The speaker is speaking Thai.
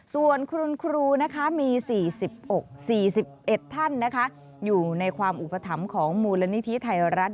ส่วนคุณครูมี๔๑ท่านอยู่ในความอุปถัมภ์ของมูลนิธิไทยรัฐ